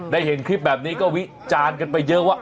เห็นคลิปแบบนี้ก็วิจารณ์กันไปเยอะว่า